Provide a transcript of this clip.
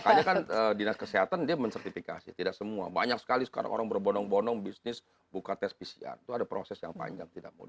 makanya kan dinas kesehatan dia mensertifikasi tidak semua banyak sekali sekarang orang berbonong bonong bisnis buka tes pcr itu ada proses yang panjang tidak boleh